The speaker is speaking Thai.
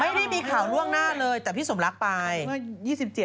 ไม่ได้มีข่าวล่วงหน้าเลยแต่พี่สมรักไปเมื่อ๒๗